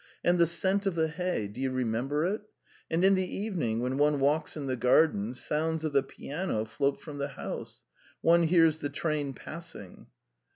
... And the scent of the hay! Do you remember it? And in the evening, when one walks in the garden, sounds of the piano float from the house; one hears the train passing.